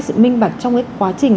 sự minh bạc trong cái quá trình